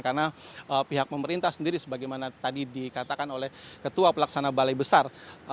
karena pihak pemerintah sendiri sebagaimana tadi dikatakan oleh ketua pelaksana balai besar